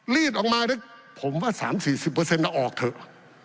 รีดออกมาผมว่า๓๔๐เอาออกเถอะ